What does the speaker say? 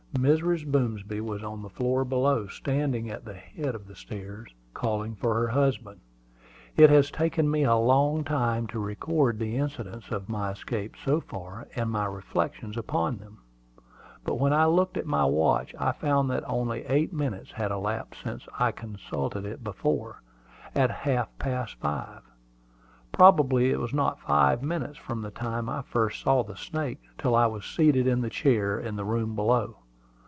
Mrs. Boomsby was on the floor below, standing at the head of the stairs, calling for her husband. It has taken me a long time to record the incidents of my escape so far, and my reflections upon them; but when I looked at my watch I found that only eight minutes had elapsed since I consulted it before, at half past five. Probably it was not five minutes from the time I first saw the snake till I was seated in the chair in the room below.